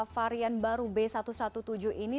varian baru b satu ratus tujuh belas ini